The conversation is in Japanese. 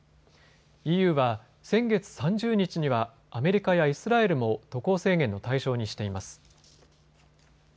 ＥＵは先月３０日にはアメリカやイスラエルも渡航制限の対象にしています。